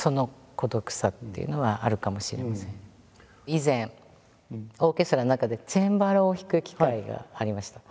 以前オーケストラの中でチェンバロを弾く機会がありました。